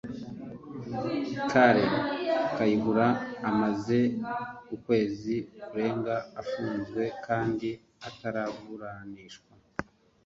Kale Kayihura umaze ukwezi kurenga afunzwe kandi ataraburanishwa